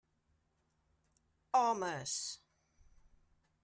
Homes!